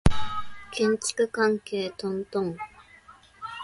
建築関係トントン